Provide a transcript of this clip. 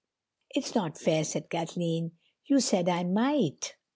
"It's not fair," said Kathleen; "you said I might."